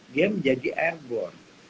dia menjadi airborne